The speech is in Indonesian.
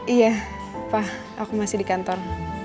iya wah aku masih di kantor